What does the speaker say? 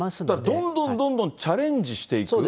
どんどんどんどんチャレンジしていく。